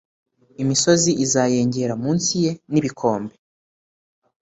imisozi izayengera munsi ye n ibikombe